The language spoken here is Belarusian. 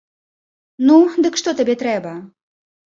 Ну, дык што табе трэба?